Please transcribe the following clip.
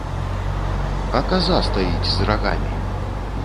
А каза стаіць з рагамі!